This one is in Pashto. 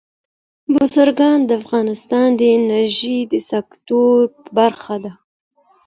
بزګان د افغانستان د انرژۍ د سکتور برخه ده.